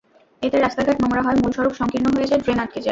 এতে রাস্তাঘাট নোংরা হয়, মূল সড়ক সংকীর্ণ হয়ে যায়, ড্রেন আটকে যায়।